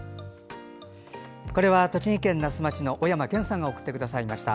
これは栃木県那須町の小山賢さんが送ってくださいました。